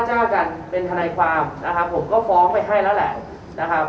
เจ้ากันเป็นทนายความนะครับผมก็ฟ้องไปให้แล้วแหละนะครับ